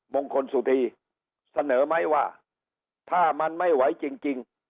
มงคลสุธีเสนอไหมว่าถ้ามันไม่ไหวจริง